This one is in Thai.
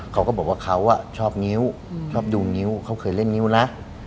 เขาก็บอกว่าเขาชอบนิ้วชอบดูนิ้วเขาเคยเล่นนิ้วนะ